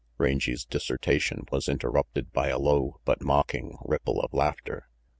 RANGY PETE 311 Rangy 's dissertation was interrupted by a low, but mocking, ripple of laughter.